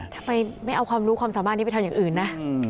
ทำไมไม่เอาความรู้ความสามารถนี้ไปทำอย่างอื่นนะ